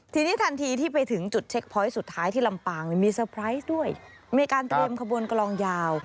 ทีนี้ทันทีที่ไปถึงจุดเช็คพอยต์สุดท้ายที่ลำปางมีงานเตรียมกระบวนกลองยาว